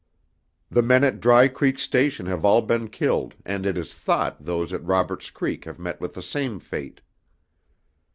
The men at Dry Creek Station have all been killed and it is thought those at Robert's Creek have met with the same fate.